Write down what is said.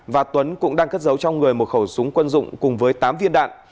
và tuấn cũng đang cất giấu trong người một khẩu súng quân dụng cùng với tám viên đạn